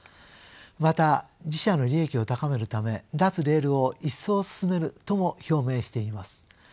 また自社の利益を高めるため脱レールを一層進めるとも表明しています。